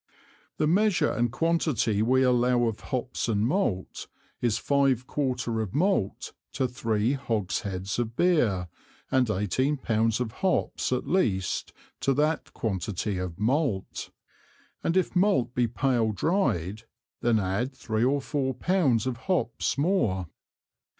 The measure and quantity we allow of Hops and Malt, is five Quarter of Malt to three Hogsheads of Beer, and eighteen Pounds of Hops at least to that Quantity of Malt, and if Malt be pale dryed, then add three or four Pounds of Hops more.